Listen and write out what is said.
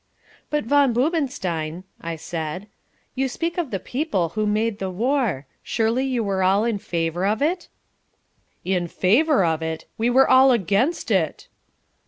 "But Von Boobenstein," I said, "you speak of the people who made the war; surely you were all in favour of it?" "In favour of it! We were all against it."